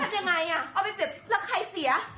แล้วทำยังไงอ่ะเอาไปเปรียบแล้วใครเสีย